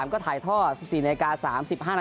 ก็ถ่ายท่อ๑๔น๓๕น